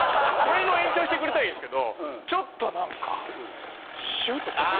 これの延長してくれたらいいんですけどちょっとなんかシュッとか。